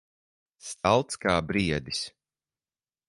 Stalts kā briedis.